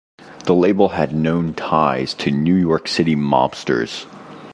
The label had known ties to New York City mobsters.